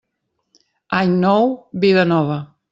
Any nou, vida nova.